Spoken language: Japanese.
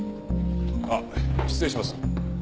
あっ失礼します。